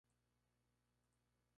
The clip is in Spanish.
Algo normal me parece a mi".